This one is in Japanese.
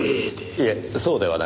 いえそうではなく。